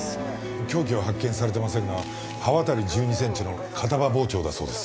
凶器は発見されてませんが刃渡り１２センチの片刃包丁だそうです。